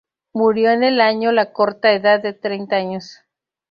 Murió en el año la corta edad de treinta años.